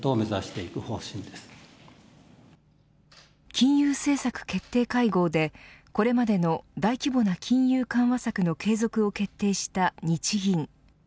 金融政策決定会合でこれまでの大規模な金融緩和策の継続を決定した日銀。